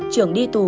trường đi làm được